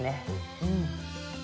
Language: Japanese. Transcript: うん。